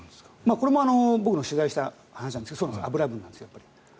これも僕の取材した話なんですけど油分なんですよ。